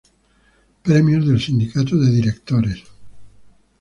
Premios del Sindicato de Directores